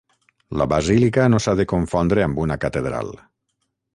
La basílica no s'ha de confondre amb una catedral.